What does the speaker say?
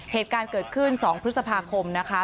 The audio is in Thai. เหตุการณ์เกิดขึ้น๒พฤษภาคมนะคะ